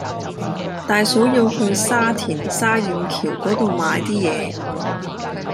大嫂要去沙田沙燕橋嗰度買啲嘢